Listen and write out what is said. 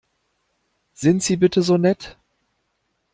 Sind Sie bitte so nett?